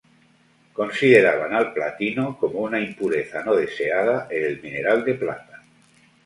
Consideraban al platino como una impureza no deseada en el mineral de plata.